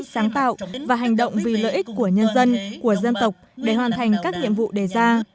sáng tạo và hành động vì lợi ích của nhân dân của dân tộc để hoàn thành các nhiệm vụ đề ra